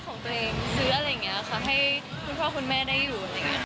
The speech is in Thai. ซื้ออะไรเงี้ยคะให้คุณพ่อคุณแม่ได้อยู่